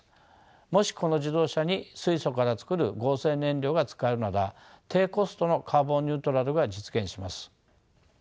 もしこの自動車に水素から作る合成燃料が使えるなら低コストのカーボン・ニュートラルが実現します。